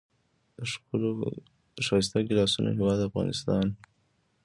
د ښکلو ګیلاسونو هیواد افغانستان.